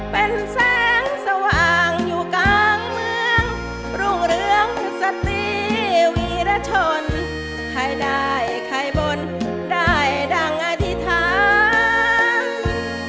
เป็นแสงสว่างอยู่กลางเมืองรุ่งเรืองสติวีรชนใครได้ใครบนได้ดังอธิษฐาน